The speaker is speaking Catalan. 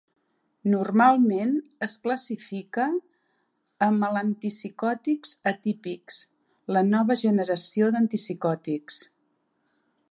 Normalment es classifica amb el antipsicòtics atípics, la nova generació d'antipsicòtics.